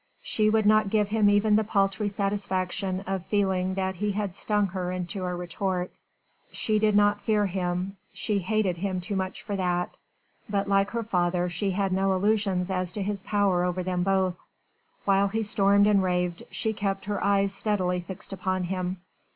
She would not give him even the paltry satisfaction of feeling that he had stung her into a retort. She did not fear him she hated him too much for that but like her father she had no illusions as to his power over them both. While he stormed and raved she kept her eyes steadily fixed upon him.